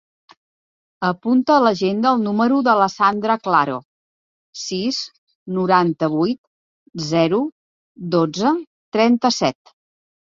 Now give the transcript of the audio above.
Apunta a l'agenda el número de la Sandra Claro: sis, noranta-vuit, zero, dotze, trenta-set.